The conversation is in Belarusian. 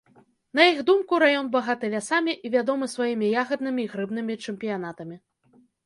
На іх думку, раён багаты лясамі і вядомы сваімі ягаднымі і грыбнымі чэмпіянатамі.